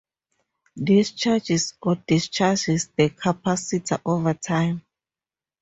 This charges or discharges the capacitor over time.